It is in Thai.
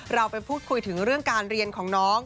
เราไปพูดคุยถึงเรื่องการเรียนของน้อง